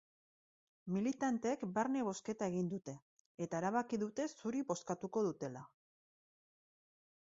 Militanteek barne bozketa egin dute, eta erabaki dute zuri bozkatuko dutela.